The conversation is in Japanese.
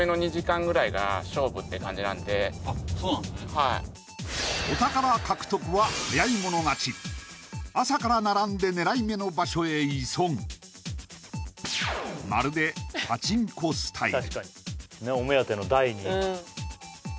はいお宝獲得は早い者勝ち朝から並んで狙い目の場所へ急ぐまるでパチンコスタイル